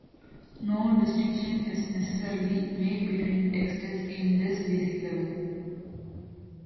No distinction is necessarily made between texts in this "basic" level.